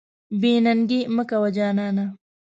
بې ننګي مه کوه جانانه.